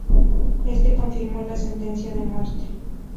Éste confirmó la sentencia de muerte.